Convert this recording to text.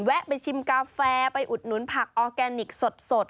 ไปชิมกาแฟไปอุดหนุนผักออร์แกนิคสด